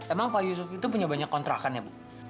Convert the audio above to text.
emang pak yusuf itu punya banyak kontrakan ya bu